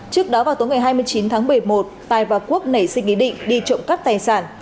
trước đó vào tối ngày hai mươi chín tháng một mươi một tài và quốc nảy sinh ý định đi trộm cắp tài sản